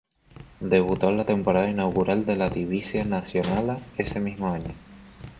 Debutó en la temporada inaugural de la Divizia Națională ese mismo año.